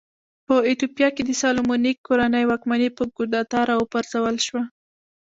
په ایتوپیا کې د سالومونیک کورنۍ واکمني په کودتا راوپرځول شوه.